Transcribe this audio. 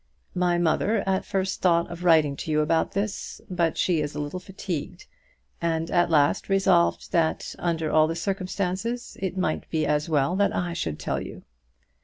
My mother at first thought of writing to you about this; but she is a little fatigued, and at last resolved that under all the circumstances it might be as well that I should tell you.